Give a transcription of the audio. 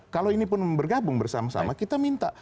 kalau ini pun bergabung bersama sama kita minta